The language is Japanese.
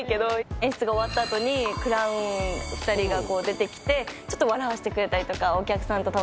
演出が終わった後にクラウン２人が出てきてちょっと笑わせてくれたりとかお客さんと楽しんだりとか。